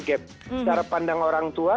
secara pandang orang tua